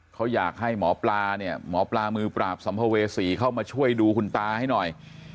เขาอยากให้หมอปลาเนี่ยหมอปลามือปราบสัมภเวษีเข้ามาช่วยดูคุณตาให้หน่อย